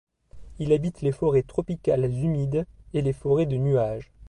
Il habite les forêts tropicales humides et les forêts de nuage.